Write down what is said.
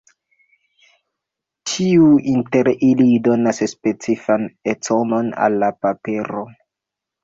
Ĉiu inter ili donas specifan econ al la papero.